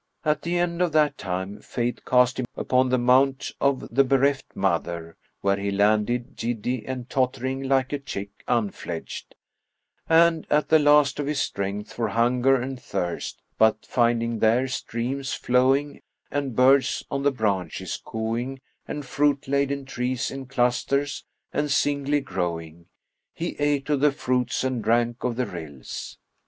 At the end of that time Fate cast him upon the Mount of the Bereft Mother, where he landed, giddy and tottering like a chick unfledged, and at the last of his strength for hunger and thirst; but, finding there streams flowing and birds on the branches cooing and fruit laden trees in clusters and singly growing, he ate of the fruits and drank of the rills.